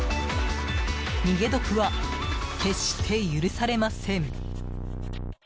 逃げ得は決して許されません。